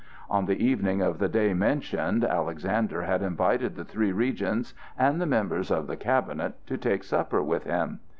On the evening of the day mentioned Alexander had invited the three regents and the members of the cabinet to take supper with him.